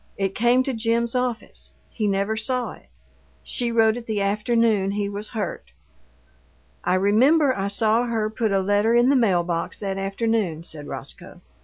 It came to Jim's office; he never saw it. She wrote it the afternoon he was hurt." "I remember I saw her put a letter in the mail box that afternoon," said Roscoe.